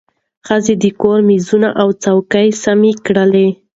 ښځه د کور مېزونه او څوکۍ سم کړل